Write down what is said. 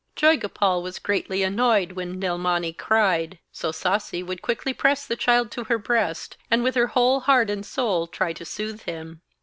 Joygopal was greatly annoyed when Nilmani cried; so Sasi would quickly press the child to her breast, and with her whole heart and soul try to soothe him.